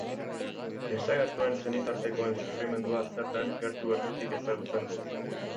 Desagertuen senitartekoen sufrimendua zer den gertu-gertutik ezagutzen du.